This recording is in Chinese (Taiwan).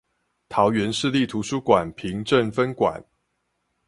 桃園市立圖書館平鎮分館